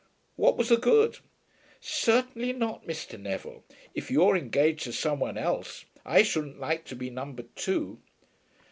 What was the good?" "Certainly not, Mr. Neville, if you are engaged to some one else. I shouldn't like to be Number Two."